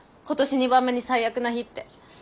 「今年二番目に最悪な日」って。